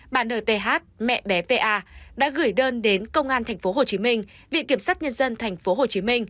bà nth mẹ bé va đã gửi đơn đến công an tp hcm viện kiểm sát nhân dân tp hcm